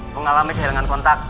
mengalami kehilangan kontak